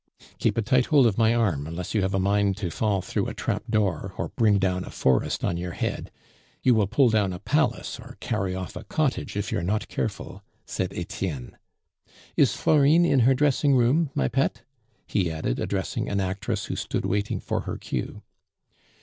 "Keep a tight hold of my arm, unless you have a mind to fall through a trap door, or bring down a forest on your head; you will pull down a palace, or carry off a cottage, if you are not careful," said Etienne. "Is Florine in her dressing room, my pet?" he added, addressing an actress who stood waiting for her cue.